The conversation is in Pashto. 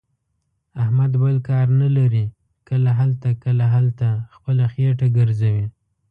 احمد بل کار نه لري. کله هلته، کله هلته، خپله خېټه ګرځوي.